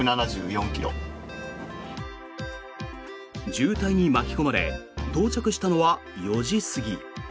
渋滞に巻き込まれ到着したのは４時過ぎ。